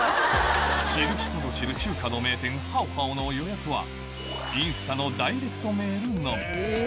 知る人ぞ知る中華の名店、好好の予約は、インスタのダイレクトメールのみ。